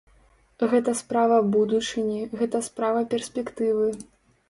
Гэта справа будучыні, гэта справа перспектывы.